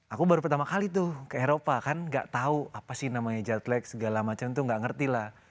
aku baru pertama kali tuh ke eropa kan gak tau apa sih namanya jet lake segala macam itu gak ngerti lah